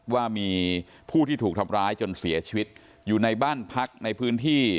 ว่ามีผู้ที่ถูกทำร้ายจนเสียชีวิตอยู่ในบ้านพักในพื้นที่